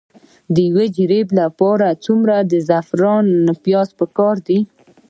د یو جریب لپاره څومره د زعفرانو پیاز پکار دي؟